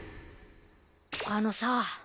あのさぁ。